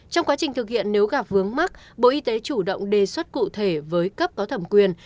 trong quá trình thực hiện nếu gặp vướng mắt bộ y tế chủ động đề xuất cụ thể với cấp có thẩm quyền